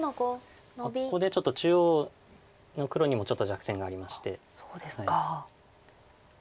ここでちょっと中央の黒にもちょっと弱点がありまして。